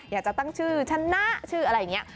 อยากจะตั้งชื่อชนะชื่ออะไรอย่างนี้